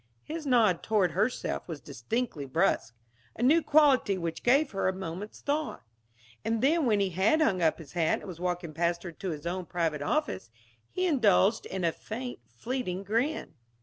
His nod toward herself was distinctly brusque; a new quality which gave her a moment's thought. And then when he had hung up his hat and was walking past her to his own private office, he indulged in a faint, fleeting grin.